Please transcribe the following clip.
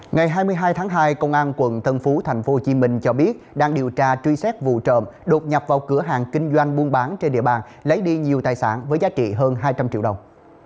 ngày hai mươi hai tháng hai công an quận tân phú thành phố hồ chí minh cho biết đang điều tra truy xét vụ trợm đột nhập vào cửa hàng kinh doanh buôn bán trên địa bàn lấy đi nhiều tài sản với giá trị hơn hai trăm linh triệu đồng